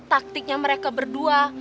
taktiknya mereka berdua